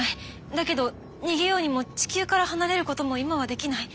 だけど逃げようにも地球から離れることも今はできない。